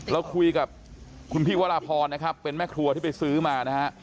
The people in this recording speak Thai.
เราคุยกับคุณพี่วรพรนะครับเป็นแม่ครัวที่ไปซื้อมานะฮะ